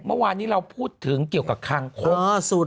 เมื่อวานนี้เราพูดถึงเกี่ยวกับคางคก